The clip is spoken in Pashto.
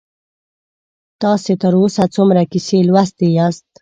تاسې تر اوسه څومره کیسې لوستي یاست؟